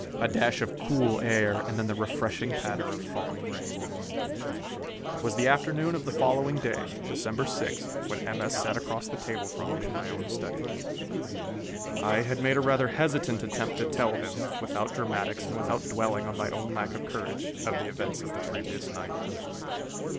A dash of cool air, and then the refreshing patter of falling rain. It was the afternoon of the following day, December 6, when M. S. sat across the table from me in my own study. I had made a rather hesitant attempt to tell him, without dramatics and without dwelling on my own lack of courage, of the events of the previous night.